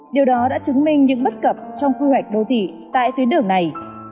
điều đó đã chứng minh những bất cập trong quy hoạch đô thị tại tuyến đường này